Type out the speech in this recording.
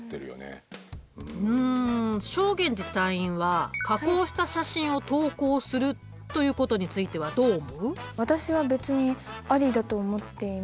うん正源司隊員は加工した写真を投稿するということについてはどう思う？